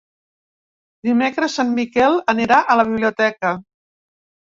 Dimecres en Miquel anirà a la biblioteca.